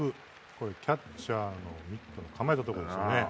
キャッチャーのミットに構えたところですよね。